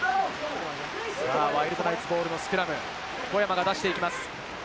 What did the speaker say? ワイルドナイツボールのスクラム、小山が出していきます。